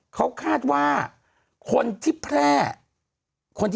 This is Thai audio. เขาคาดว่าคนที่แพร่